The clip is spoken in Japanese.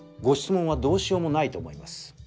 ご質問はどうしようもないと思います。